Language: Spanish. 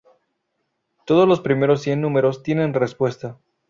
Todos los primeros cien números tienen respuesta.